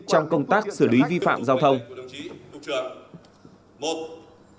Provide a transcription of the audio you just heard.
trong công tác xử lý vi phạm giao thông